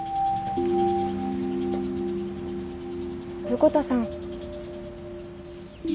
横田さん。